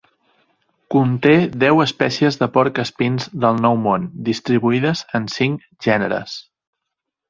Conté deu espècies de porc espins del Nou Món, distribuïdes en cinc gèneres.